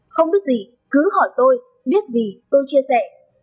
không biết gì cứ hỏi tôi biết gì tôi chia sẻ